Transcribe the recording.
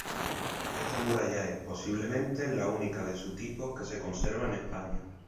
Esta muralla es, posiblemente, la única de su tipo que se conserva en España.